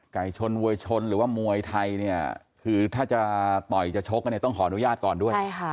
ชนมวยชนหรือว่ามวยไทยเนี่ยคือถ้าจะต่อยจะชกกันเนี่ยต้องขออนุญาตก่อนด้วย